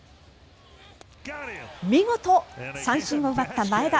見事、三振を奪った前田。